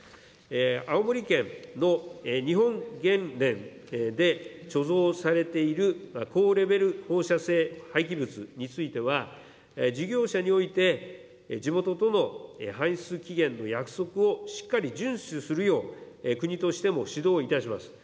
青森県の日本原燃で貯蔵されている、高レベル放射性廃棄物については、事業者において地元との排出期限の約束をしっかり順守するよう、国としても指導いたします。